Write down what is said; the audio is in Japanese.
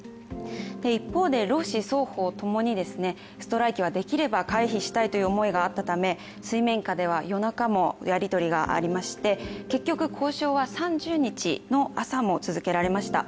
一方で労使双方ともに、ストライキはできれば回避したいという思いがあったため水面下では夜中もやり取りがありまして、結局交渉は３０日の朝も続けられました。